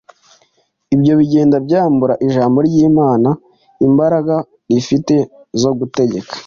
Ibyo bigenda byambura Ijambo ry’Imana imbaraga rifite zo gutegeka,